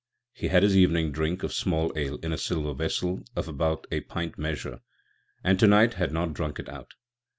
He had his Evening Drink of small Ale in a silver vessel of about a pint measure, and to night had not drunk it out.